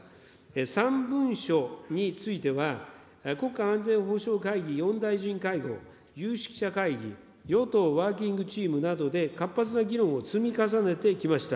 ３文書については、国家安全保障会議、４大臣会合、有識者会議、与党ワーキングチームなどで活発な議論を積み重ねてきました。